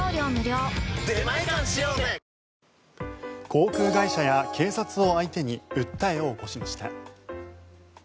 航空会社や警察を相手に訴えを起こしました。